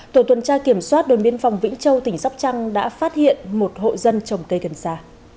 tổ tuần tra kiểm soát đồn biên phòng vĩnh châu tỉnh sóc trăng đã phát hiện một hộ dân trồng cây gần xa